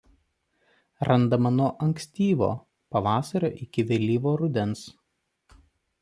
Randama nuo ankstyvo pavasario iki vėlyvo rudens.